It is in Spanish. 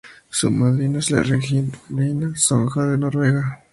Su madrina es la Reina Sonja de Noruega.